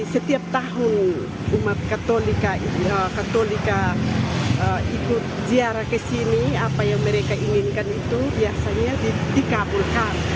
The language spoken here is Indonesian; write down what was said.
setiap tahun umat katolika ikut ziarah ke sini apa yang mereka inginkan itu biasanya dikabulkan